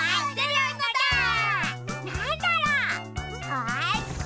よし！